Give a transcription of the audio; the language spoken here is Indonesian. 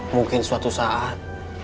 mungkin suatu saat